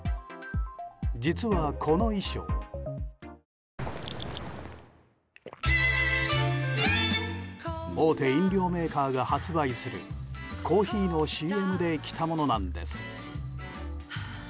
実は、この衣装大手飲料メーカーが発売するコーヒーのＣＭで着たものなんです。